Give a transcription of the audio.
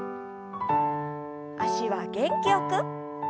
脚は元気よく。